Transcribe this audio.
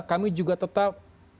kami juga tetap